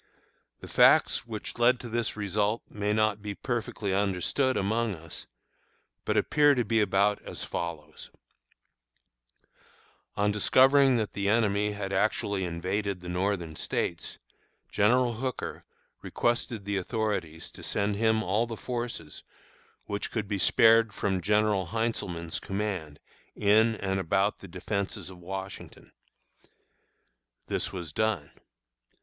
The facts which led to this result may not be perfectly understood among us, but appear to be about as follows: On discovering that the enemy had actually invaded the Northern States, General Hooker requested the authorities to send him all the forces which could be spared from General Heintzelman's command in and about the Defenses of Washington. This was done.